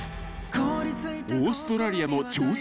［オーストラリアの超絶